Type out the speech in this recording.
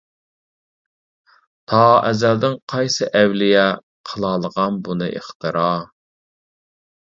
تا ئەزەلدىن قايسى ئەۋلىيا، قىلالىغان بۇنى ئىختىرا.